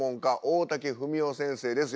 大竹文雄先生です。